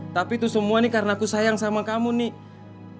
tapi itu semua nih karena aku sayang sama kamu nih